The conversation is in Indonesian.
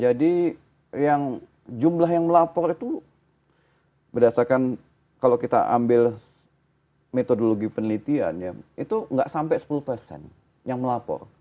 jadi jumlah yang melapor itu berdasarkan kalau kita ambil metodologi penelitian itu tidak sampai sepuluh yang melapor